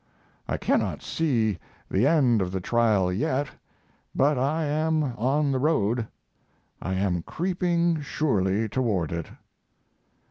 I cannot see the end of the Trial yet, but I am on the road. I am creeping surely toward it.